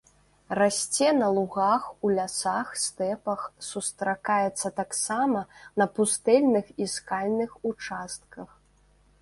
Расце на лугах, у лясах, стэпах, сустракаецца таксама на пустэльных і скальных участках.